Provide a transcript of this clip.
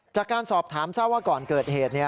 จากการสอบถามทราบว่าก่อนเกิดเหตุ